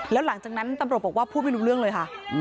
แล้วหลังจากนั้นตำรวจบอกว่าพูดไม่รู้เรื่องเลยค่ะ